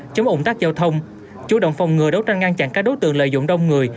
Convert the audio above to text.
chống ủng tắc giao thông chủ động phòng ngừa đấu tranh ngăn chặn các đối tượng lợi dụng đông người